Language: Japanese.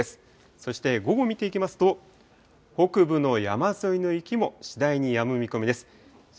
そして午後見ていきますと、北部の山沿いの雪も次第にやむ見込みです。